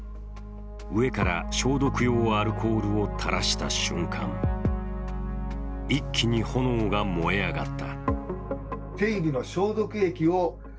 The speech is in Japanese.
上から消毒用アルコールをたらした瞬間、一気に、炎が燃え上がった。